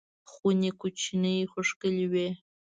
خونې کوچنۍ خو ښکلې وې.